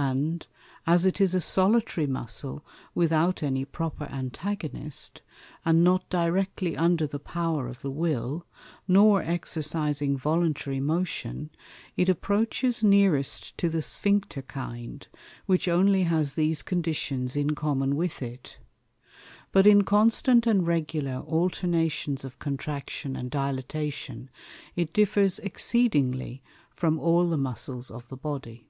And, as it is a Solitary Muscle without any proper Antagonist, and not directly under the power of the Will, nor exercising Voluntary Motion, it approaches nearest to the Sphincter kind, which only has these Conditions in common with it. But in constant and regular Alternations of Contraction and Dilatation, it differs exceedingly from all the Muscles of the Body.